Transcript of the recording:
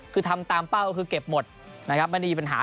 คือทำตามเป้าคือเก็บหมดมันไม่มีปัญหา